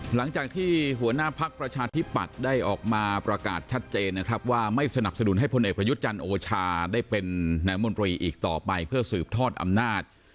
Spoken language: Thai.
หลังจากที่หัวหน้าพักประชาธิปัตย์ได้ออกมาประกาศชัดเจนนะครับว่าไม่สนับสนุนให้พลเอกประยุทธ์จันทร์โอชาได้เป็นนายมนตรีอีกต่อไปเพื่อสืบทอดอำนาจ